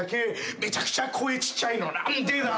「めちゃくちゃ声ちっちゃいのなんでだろう」